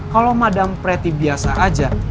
kalau madam preti biasa aja